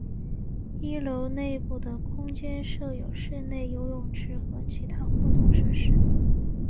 一楼内部的空间设有室内游泳池和其他活动设施。